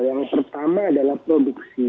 yang pertama adalah produksi